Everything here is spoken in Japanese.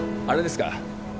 あれですか？